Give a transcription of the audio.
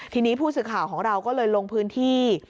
ทีนี้ผู้สื่อข่าวของเราก็เลยลงพื้นที่